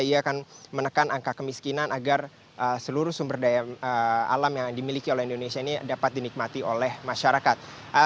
ia akan menekan angka kemiskinan agar seluruh sumber daya alam yang dimiliki oleh indonesia ini dapat dinikmati oleh masyarakat